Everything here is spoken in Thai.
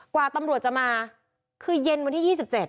กว่าตำรวจจะมาคือเย็นวันที่๒๗